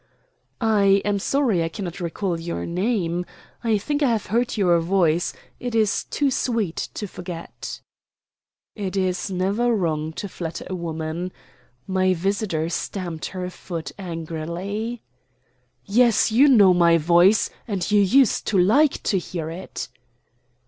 "I am sorry I cannot recall your name. I think I have heard your voice; it is too sweet to forget." It is never wrong to flatter a woman. My visitor stamped her foot angrily. "Yes, you know my voice, and used to like to hear it."